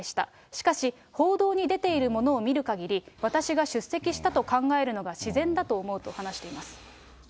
しかし、報道に出ているものを見るかぎり、私が出席したと考えるのが自然だと思うと、話しています。